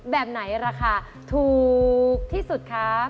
แบบไหนราคาถูกที่สุดคะ